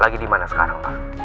lagi dimana sekarang pak